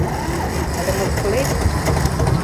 Але мыскылет?